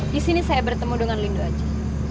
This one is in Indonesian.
disini saya bertemu dengan lindo aja